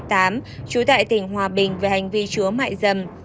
trú tại tỉnh hòa bình về hành vi chứa mại dâm